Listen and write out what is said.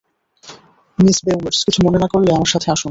Miss বেওয়্যার্স, কিছু মনে না করলে আমার সাথে আসুন।